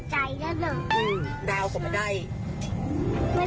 สุดท้ายของพ่อต้องรักมากกว่านี้ครับ